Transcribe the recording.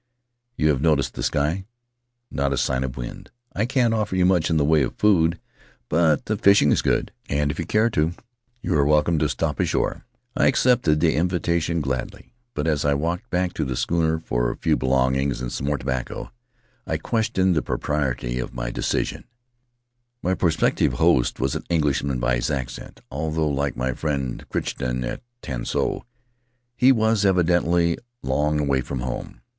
You have noticed the sky? Not a sign of wind. I can't offer you much in the way of food; but the fishing is good, and if you care to you are welcome to stop ashore." I accepted the invitation gladly; but as I walked back to the schooner for a few belongings and some more tobacco I questioned the propriety of my decision. Faery Lands of the South Seas My prospective host was an Englishman by his accent, although, like my friend Crichton at Tanso, he was evidently long away from home.